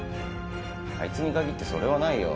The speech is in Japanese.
あいつに限ってそれはないよ。